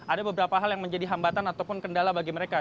ada beberapa hal yang menjadi hambatan ataupun kendala bagi mereka